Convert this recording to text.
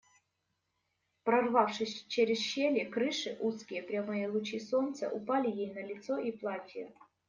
Прорвавшись через щели крыши, узкие прямые лучи солнца упали ей на лицо и платье.